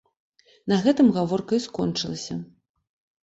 На гэтым гаворка і скончылася.